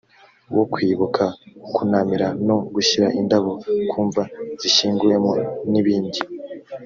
wo kwibuka kunamira no gushyira indabo ku mva zishyinguyemo n ibindi